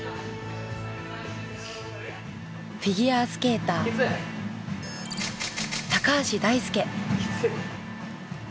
フィギュアスケーター高橋大輔。